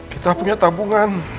kita punya tabungan